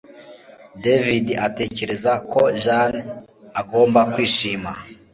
David atekereza ko Jane agomba kwishima